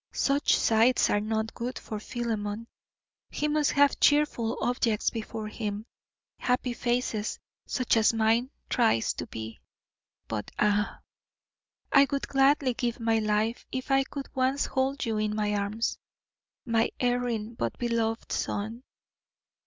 Such sights are not good for Philemon. He must have cheerful objects before him, happy faces such as mine tries to be. But ah! I would gladly give my life if I could once hold you in my arms, my erring but beloved son.